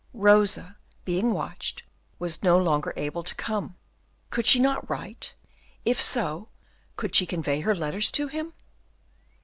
Rosa, being watched, was no longer able to come. Could she not write? and if so, could she convey her letters to him?